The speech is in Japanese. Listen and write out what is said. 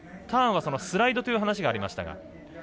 ターンは、スライドという話がありましたが。